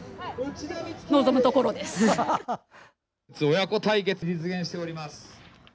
親子対決、実現しております。